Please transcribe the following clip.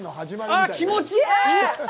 あぁ、気持ちいい！